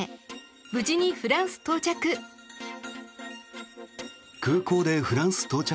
無事にフランス到着。